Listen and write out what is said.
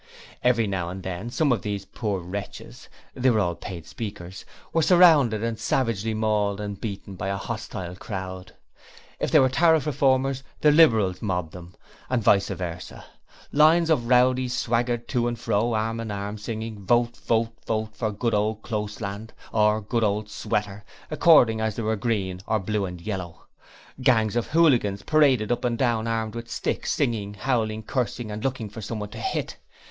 Every now and then some of these poor wretches they were all paid speakers were surrounded and savagely mauled and beaten by a hostile crowd. If they were Tariff Reformers the Liberals mobbed them, and vice versa. Lines of rowdies swaggered to and fro, arm in arm, singing, 'Vote, Vote, Vote, for good ole Closeland' or 'good ole Sweater', according as they were green or blue and yellow. Gangs of hooligans paraded up and down, armed with sticks, singing, howling, cursing and looking for someone to hit.